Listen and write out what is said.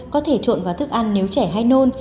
có thể trộn vào thức ăn nếu trẻ hay nôn